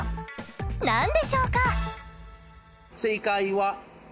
何でしょうか？